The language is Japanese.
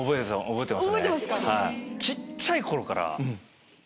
覚えてますか。